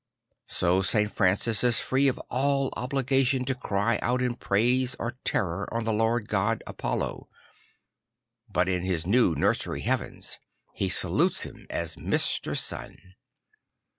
So St. Francis is free of all obligation to cry out in praise or terror on the Lord God Apollo, but in his new nursery heavens, he salutes him as Mr. Sun.